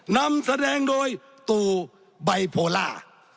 นำแสดงโดยตู่ไบโพล่า